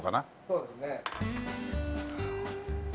そうですね。